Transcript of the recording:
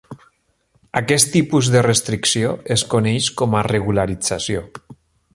Aquest tipus de restricció es coneix com a regularització.